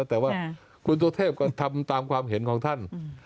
แต่ว่าคุณสุเทพก็ทำตามความเห็นของท่าน